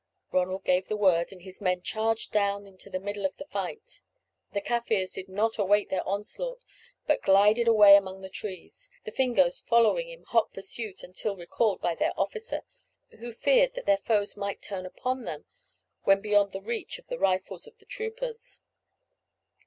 Ronald gave the word, and his men charged down into the middle of the fight. The Kaffirs did not await their onslaught, but glided away among the trees, the Fingoes following in hot pursuit until recalled by their officer, who feared that their foes might turn upon them when beyond the reach of the rifles of the troopers.